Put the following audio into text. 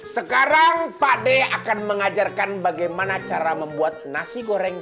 sekarang pak d akan mengajarkan bagaimana cara membuat nasi goreng